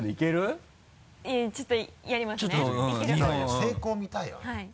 成功見たいよね。